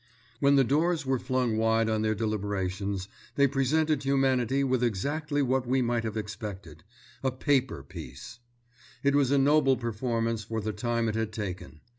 When the doors were flung wide on their deliberations, they presented humanity with exactly what we might have expected—a paper peace. It was a noble performance for the time it had taken.